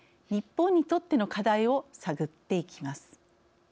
日本にとっての課題を探っていきます。